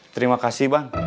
terima kasih bang